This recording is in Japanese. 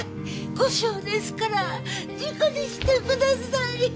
後生ですから事故にしてください！